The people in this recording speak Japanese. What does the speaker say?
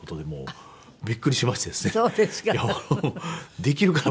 できるかな？